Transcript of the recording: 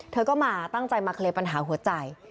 เธอก็มาตั้งใจมาเคลียร์ปัญหาหัวใจ